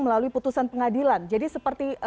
melalui putusan pengadilan jadi seperti